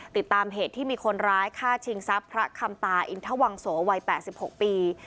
ติดตามเหตุที่มีคนร้ายฆ่าชิงทรัพย์พระคำตาอินทวังโสวัย๘๖ปี